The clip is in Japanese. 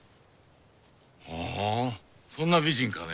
ほほうそんな美人かね。